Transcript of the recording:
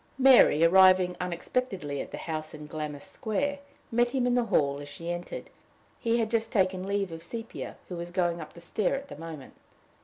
Mary, arriving unexpectedly at the house in Glammis Square, met him in the hall as she entered: he had just taken leave of Sepia, who was going up the stair at the moment.